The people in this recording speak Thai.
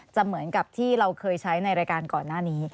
เหมือนกับที่เราเคยใช้ในรายการก่อนหน้านี้